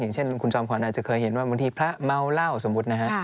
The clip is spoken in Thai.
เช่นคุณจอมขวัญอาจจะเคยเห็นว่าบางทีพระเมาเหล้าสมมุตินะฮะ